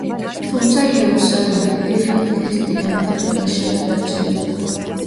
თუმცა, იერუსალიმი დიდი ხნით ქრისტიანთა ხელში არ დარჩენილა.